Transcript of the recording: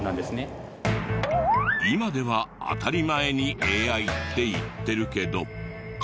今では当たり前にＡＩって言ってるけど。